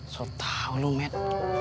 sotah lu met